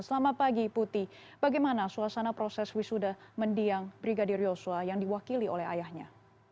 selamat pagi putih bagaimana suasana proses wisuda mendiang brigadir yosua yang diwakili oleh ayahnya